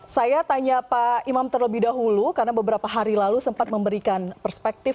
saya tanya pak imam terlebih dahulu karena beberapa hari lalu sempat memberikan perspektif